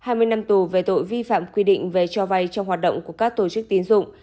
hai mươi năm tù về tội vi phạm quy định về cho vay trong hoạt động của các tổ chức tín dụng